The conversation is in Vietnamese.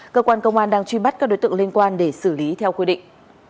cơ quan công an đang truy bắt các đối tượng liên quan để xử lý theo quy định